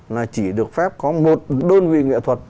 là chỉ được phép có một đơn vị nghệ thuật